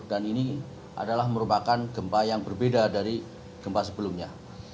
dan ini adalah merupakan gempa yang berbeda dari gempa sebelumnya